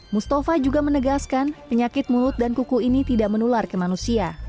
mustafa juga menegaskan penyakit mulut dan kuku ini tidak menular ke manusia